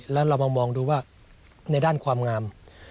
แล้วเรามามองดูว่าในด้านความงาม